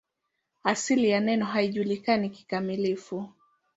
Asili ya neno haijulikani kikamilifu.